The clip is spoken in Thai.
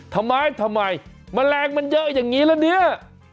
ทำไมทำไมแมลงมันเยอะอย่างนี้ละเนี่ย